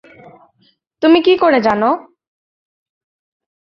তুমি কী করে জানো?